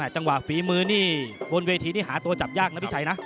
จังหวะฝีมือนี่บนเวทีที่หาตัวจับยากนะพี่ชัยนะ